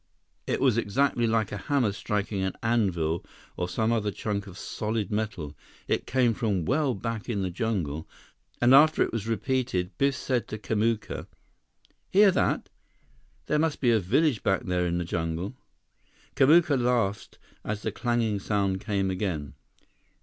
It was exactly like a hammer striking an anvil or some other chunk of solid metal. It came from well back in the jungle, and after it was repeated, Biff said to Kamuka: "Hear that! There must be a village back there in the jungle!" Kamuka laughed as the clanging sound came again.